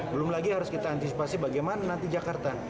belum lagi harus kita antisipasi bagaimana nanti jakarta